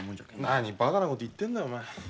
何バカなこと言ってんだお前。